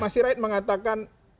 mas rait mengatakan